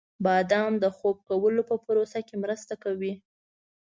• بادام د خوب کولو په پروسه کې مرسته کوي.